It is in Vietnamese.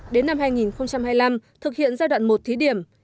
đến năm hai nghìn hai mươi năm thực hiện giai đoạn một thí điểm